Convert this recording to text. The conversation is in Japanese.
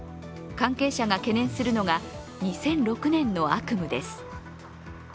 関係者が懸念するのが２００６年の悪夢です。